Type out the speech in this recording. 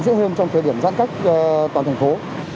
dễ hơn trong thời điểm giãn cách toàn thành phố